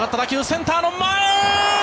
センターの前！